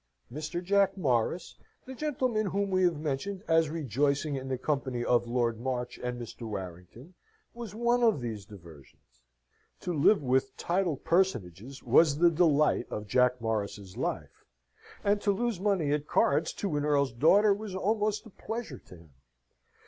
Mr. Jack Morris, the gentleman whom we have mentioned as rejoicing in the company of Lord March and Mr. Warrington, was one of these diversions. To live with titled personages was the delight of Jack Morris's life; and to lose money at cards to an earl's daughter was almost a pleasure to him.